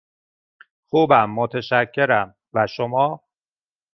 خوبم، متشکرم، و شما؟